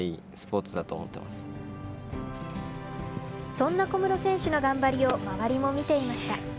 そんな小室選手の頑張りを周りも見ていました。